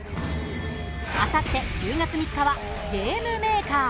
あさって、１０月３日はゲームメーカー。